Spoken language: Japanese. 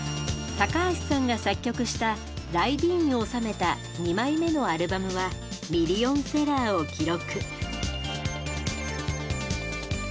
高橋さんが作曲した「ＲＹＤＥＥＮ」を収めた２枚目のアルバムはミリオンセラーを記録。